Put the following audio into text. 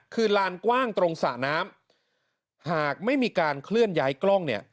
คือลานกว้างตรงสระน้ำหากไม่มีการเคลื่อนย้ายกล้องเนี่ย